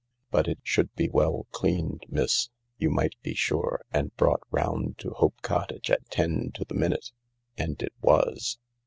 But it should be well cleaned, miss, you might be sure, and brought round to Hope Cottage at ten to the minute. And it was.